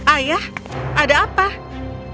ayah apa yang harus saya lakukan